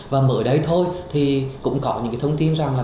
và mới đây thôi thì cũng có những cái thông tin rằng là